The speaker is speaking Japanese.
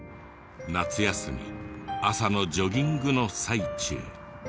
夏休み朝のジョギングの最中。